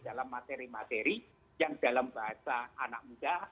dalam materi materi yang dalam bahasa anak muda